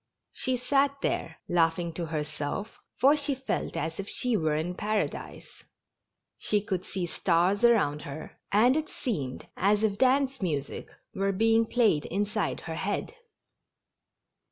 She sat there, laughing to herself, for she felt as if she were in paradise ; she could see stars aroimd her, and it seemed as if dance music were being played inside her head.